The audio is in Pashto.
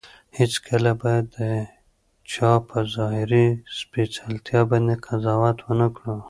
هیڅکله باید د چا په ظاهري سپېڅلتیا باندې قضاوت ونه کړو.